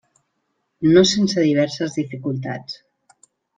No sense diverses dificultats.